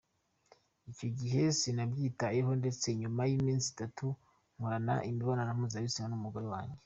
Icyo gihe sinabyitayeho ndetse nyuma y’iminsi itatu nkorana imibonano mpuzabitsina n’umugore wanjye.